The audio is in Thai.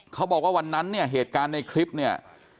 เขาบอกว่าวันนั้นเนี่ยเหตุการณ์ในคลิปเนี่ย